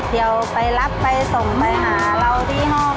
เดี๋ยวไปรับไปส่งไปหาเราที่ห้อง